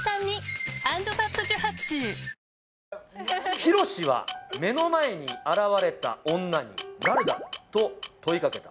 ヒロシは目の前に現れた女に、誰だと問いかけた。